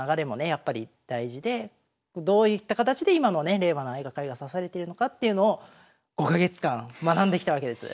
やっぱり大事でどういった形で今のね令和の相掛かりが指されてるのかっていうのを５か月間学んできたわけです。